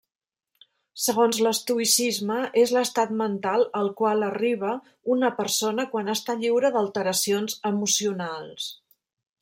Segons l'estoïcisme és l'estat mental al qual arriba una persona quan està lliure d'alteracions emocionals.